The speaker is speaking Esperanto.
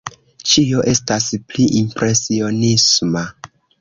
Ĉio estas pli impresionisma.